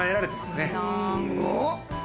すごっ。